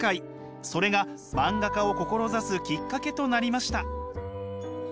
それが漫画家を志すきっかけとなりました。